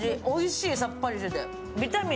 おいしい、さっぱりしてて。